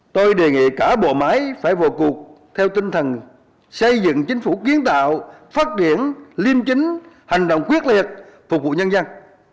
tôi đề nghị cả bộ máy phải vào cuộc theo tinh thần xây dựng chính phủ kiến tạo phát triển liêm chính hành động quyết liệt phục vụ nhân dân